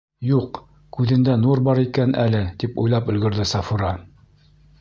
«Юҡ, күҙендә нур бар икән әле», -тип уйлап өлгөрҙө Сафура.